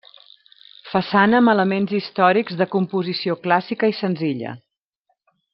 Façana amb elements històrics de composició clàssica i senzilla.